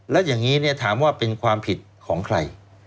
แล้วอย่างนี้ถามว่าเป็นความผิดของใคร